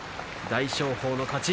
大翔鵬の勝ち。